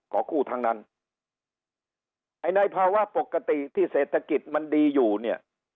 ขอกู้ทั้งนั้นไอ้ในภาวะปกติที่เศรษฐกิจมันดีอยู่เนี่ย